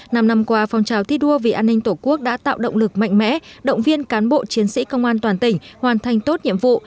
năm năm qua phong trào thi đua vì an ninh tổ quốc đã tạo động lực mạnh mẽ động viên cán bộ chiến sĩ công an toàn tỉnh hoàn thành tốt nhiệm vụ